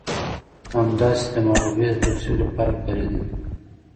همداسې د محبوبې د توصيف لپاره کارېدلي